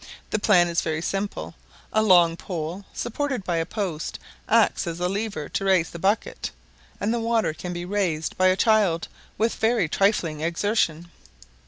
The plan is very simple: a long pole, supported by a post, acts as a lever to raise the bucket, and the water can be raised by a child with very trifling exertion.